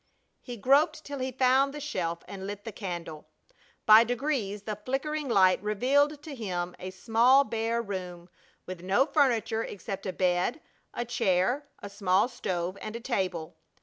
He groped till he found the shelf and lit the candle. By degrees the flickering light revealed to him a small bare room with no furniture except a bed, a chair, a small stove, and a table.